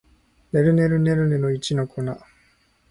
ねるねるねるねの一の粉